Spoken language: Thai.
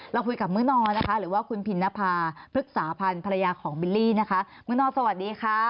เราคุยกับมื้อนอนนะคะหรือว่าคุณพินนภาพฤกษาพันธ์ภรรยาของบิลลี่นะคะมื้อนอนสวัสดีค่ะ